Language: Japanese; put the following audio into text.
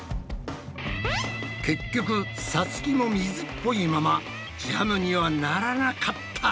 結局さつきも水っぽいままジャムにはならなかった。